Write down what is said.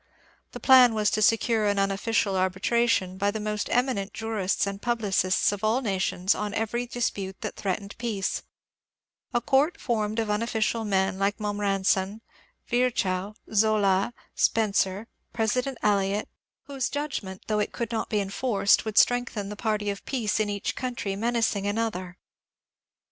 The plan was to secure an unofficial arbitration by the most eminent jurists and publicists of all nations on every dispute that threatened peace, — a court formed of unofficial men like Momrasen, Virchow, Zola, Spencer, President Eliot, — whose judgment, though it could not be enforced, would strengthen the party of peace in each country menacing an other.